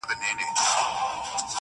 تږي شپې مي پی کړې د سبا په سرابونو کي-